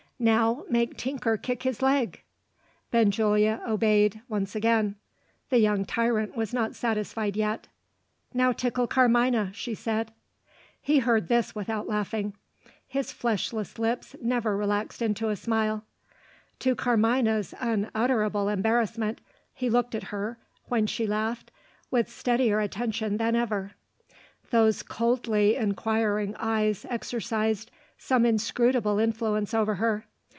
"Now make Tinker kick his leg!" Benjulia obeyed once again. The young tyrant was not satisfied yet. "Now tickle Carmina!" she said. He heard this without laughing: his fleshless lips never relaxed into a smile. To Carmina's unutterable embarrassment, he looked at her, when she laughed, with steadier attention than ever. Those coldly inquiring eyes exercised some inscrutable influence over her.